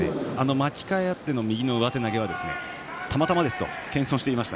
巻き替えながら右の上手投げはたまたまですと話していました。